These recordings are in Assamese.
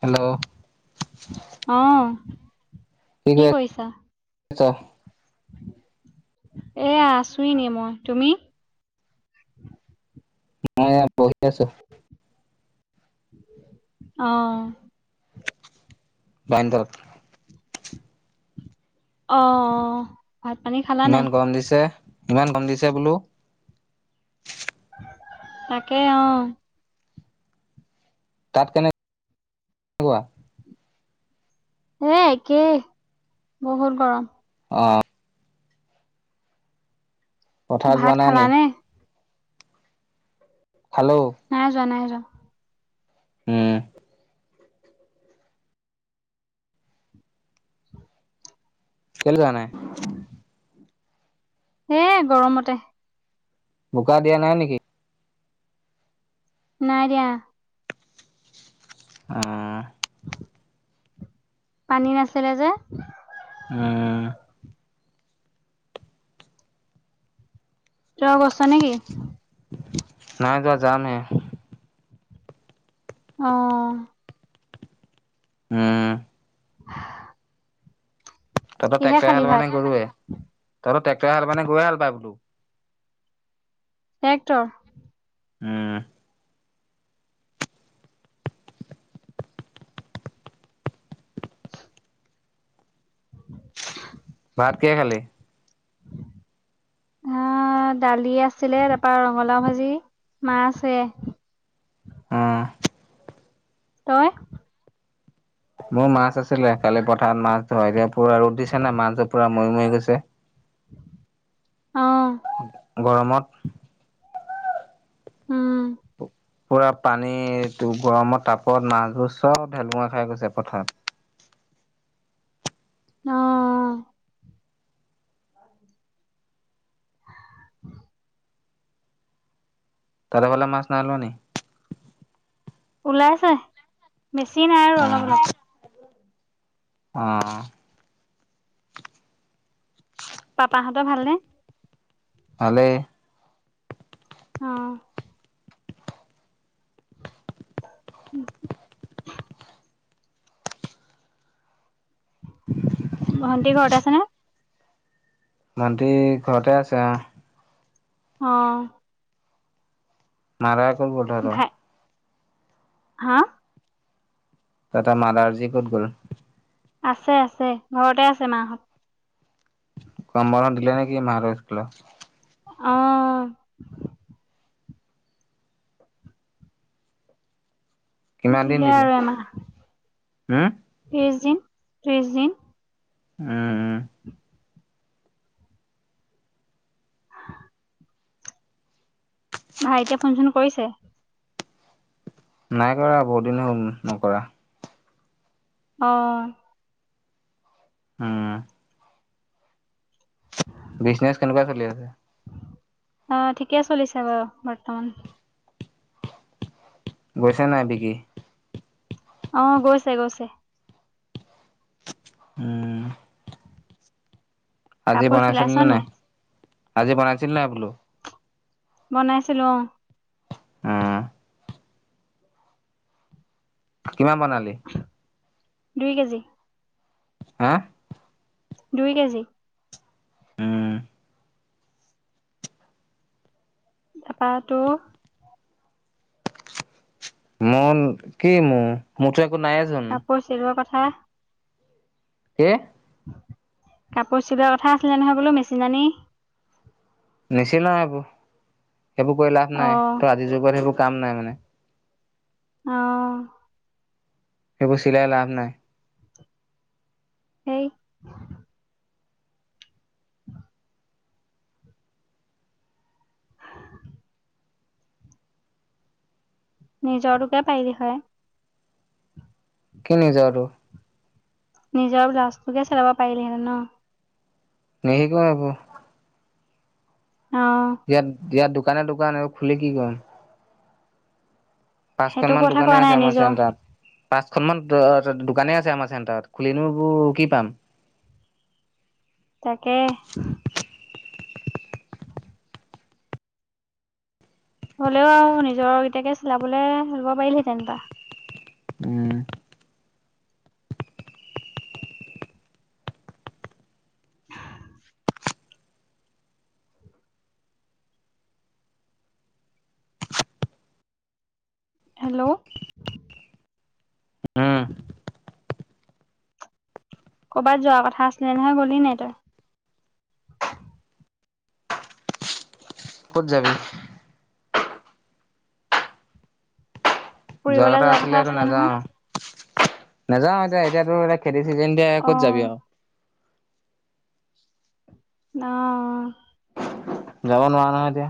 হেল্ল' অ' কি কৰিছা? জ্বৰ এয়া আছোঁ এনে মই তুমি? মই এয়া বহি আছো। আহ বান্দাৰত অ' অ' ইমান গৰম দিছে, ইমান গৰম দিছে বোলো। তাকে অ' তাত কেনেকোৱা? এ একেই বহুত গৰম। অ'। পথাৰত ভাত যোৱা নাই নি? খালানে? খালো। নাই যোৱা, নাই যোৱা। উম। কেলে যোৱা নাই? এই গৰমতে। বোকা দিয়া নাই নেকি? নাই দিয়া। উমহ। পানী নাছিলে যে। উম। তোমাৰ গৈছে নেকি? নাই যোৱা যাম হে। আহ। উম। [unintelligible] তহঁত কিহে ট্ৰেক্টৰ খালি হাল ভাত বাইনে গৰুৱে, তহঁত ট্ৰেক্টৰ হাল বাইনে গৰুৱে হাল বাই বোলো? ট্ৰেক্টৰ। উম। [unintelligible] [unintelligible] ভাত কিহে খালি? [unintelligible] ভাত দালি আছিলে তাৰপা ৰঙালাও ভাজি, মাছ হেয়া। আহ। তই? মোৰ মাছ আছিলে, কালি পথাৰত মাছ ধই দিয়া পুৰা ৰ'দ দিছে না মাছ পুৰা মই মই গৈছে। অ'। গৰমত। উ। পুৰা পানীটো গৰমত তাপত মাছবোৰ চব ঢেলুঙা খাই গৈছে পথাৰত। [inaudible] অ'। [inaudible] তাত হেফালে মাছ নাই ওলোৱা নি? ওলাইছে, বেছি নাই আৰু অ', অলপ অলপ। অ'। পাপাহঁত ভালনে? ভালেই। অ'। [inaudible] [inaudible] ভন্টি ঘৰত আছে নে? ভন্টি ঘৰতে আছে অ'। অ'। মাদাৰ ক'ত গ'ল তহঁত? ভাই হা? তহঁত মাদাৰজি ক'ত গ'ল? আছে আছে, ঘৰতে আছে মাহঁত। গম বন্ধ দিলে নে কি মাহঁত স্কুলৰ? অ'। কিমান দিন দিলে আৰু এমাহ। উম, ত্ৰিশ দিন, ত্ৰিশ দিন। উ, উ। [inaudible] ভাইটীয়ে ফোন চোন কৰিছে? নাই কৰা বহুত দিন হ'ল নকৰা। অ'। উ। বিজনেছ কেনেকুৱা চলি আছে? অ' ঠিকে চলিছে বাৰু বৰ্তমান। গৈছে নাই বিকি? অ' গৈছে গৈছে। উ। আজি কাপোৰ বনাইছিলি চিলাইছ নে নাই, আজি বনাইছিল নাই বোলো? বনাইছিলো অ'। উ। কিমান বনালি? দুই কেজি। হা? দুই কেজি। উ। তাপা তো। মোন, কি মো? মোটোৱে কাপোৰ চিলোৱা কথা। কি? কাপোৰ চিলোৱা কথা আছিলে নহয় বোলো মেচিন আনি। নিচি ন সেইবোৰ, সেইবোৰ কৰি লাভ নাই। অ' ত আজিৰ যুগত সেইবোৰ কাম নাই মানে। অ'। সেইবোৰ চিলাই লাভ নাই হেই। নিজৰ টোকে পাৰি দেখোৱাই। কি নিজৰটো। নিজৰ ব্লাউজটোকে চিলাব পাৰিলিহেঁতেন ন। নিশিকো আকৌ অ ইয়াত, ইয়াত দোকানে দোকান। খুলি কি কৰিম সেইটো পাঁচখনমান কথা কোৱা দোকানেই আছে নাই আমাৰ নিজৰ চেণ্টাৰত। পাঁচখনমান দোকানেই আছে আমাৰ চেণ্টাৰত, খুলিনো এইবোৰ কি পাম। তাকে। হ'লেও আৰু নিজৰ গিতাকে চিলাবলে ল'ব পাৰিলহেতেন বা। উম্। হেল্ল'। উ। কৰ'বাত যোৱাৰ কথা আছিলে নহয়, গ'লি নাই তই। ক'ত যাবি? যোৱা কথা আছিলে, এতিয়া নাযাওঁ আৰু। নাযাওঁ এতিয়া, এতিয়াতোৰ এ খেতিৰ চিজেন যে অ ক'ত যাবি আৰু। ন অ'। যাব নোৱাৰ নহয় এতিয়া।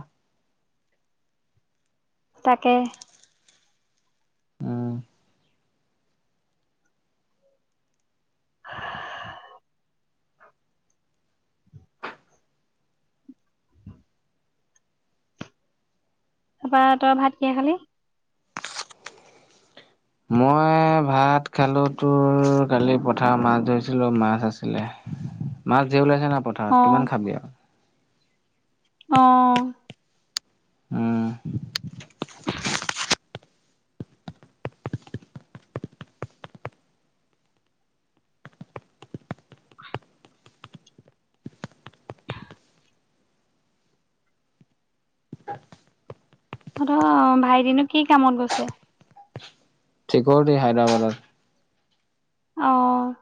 তাকে। উম্। সা তাৰপা, তই ভাত কিহে খালি? মই ভাত খালো, তোৰ কালি পথাৰত মাছ ধৰিছিলো। মাছ আছিলে। [inaudible] মাছ ধেৰ ওলাইছে না পথাৰত, অ কিমান খাবি আৰু। অ', উম্। [unintelligible] তহঁতৰ ভাইটিনো কি কামত গৈছে? চিকিউৰিটি, হায়দৰাবাদত। অ'।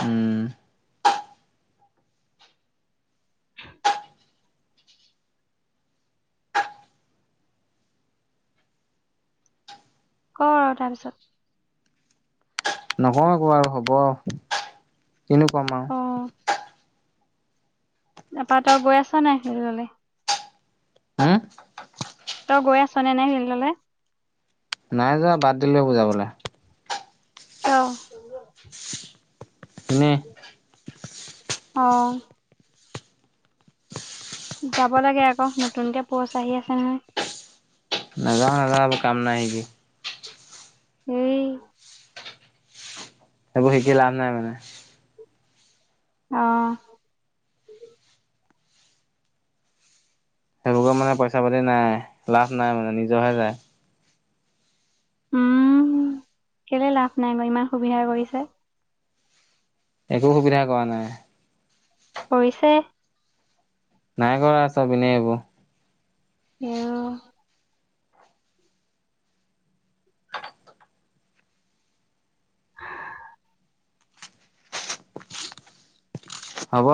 উম্। ক আৰু তাৰপিছত। নকওঁ একো আৰু হ'ব, কিনো কম অ আৰু। তাৰপৰা, তই গৈ আছ নাই হেৰিয়লে। হো। তই গৈ আছনে নাই ফিল্ডলে? নাই যোৱা, বাদ দিলো এইবোৰ যাবলে। কিয়? এনেই। অ'। যাব লাগে আকৌ, নতুনকে প'ষ্ট আহি আছে নহয়। নাযাও নাযাও, এইবোৰ কাম নাই ইনেই। সেই। সেইবোৰ শিকি লাভ নাই মানে। অহ্। মানে পইচা পাতি নাই, লাভ নাই মানে, নিজৰহে যায়। উম, কেলে লাভ নাই বাৰু, ইমান সুবিধা কৰি দিছে। একো সুবিধা কৰা নাই। কৰিছে। নাই কৰা, চব এনেই এইবোৰ। অহ। [unintelligible] হ'ব।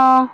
অহ।